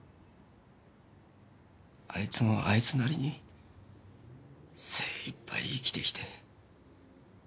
あいつもあいつなりに精一杯生きてきて。